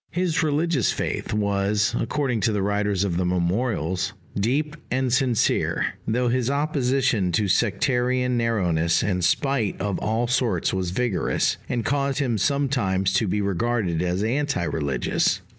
His religious faith was, according to the writers of the Memorials, deep and sincere, though his opposition to sectarian narrowness and spite of all sorts was vigorous, and caused him sometimes to be regarded as anti religious.